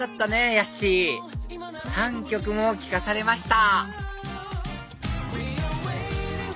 ヤッシー３曲も聴かされました